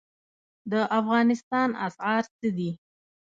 د افغانستان اسعار څه دي؟